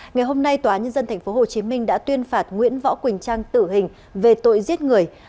ngày hôm nay tòa nhân dân tp hcm đã tuyên phạt nguyễn võ quỳnh trang tử hình về tội giết người